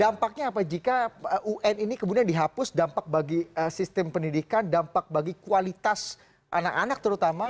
dampaknya apa jika un ini kemudian dihapus dampak bagi sistem pendidikan dampak bagi kualitas anak anak terutama